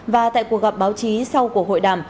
và tại cuộc gặp báo chí sau cuộc hội đàm